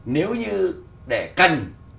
nếu như để cần